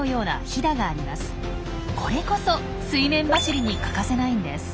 これこそ水面走りに欠かせないんです。